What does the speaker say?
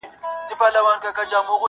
لېونو سره پرته د عشق معنا وي،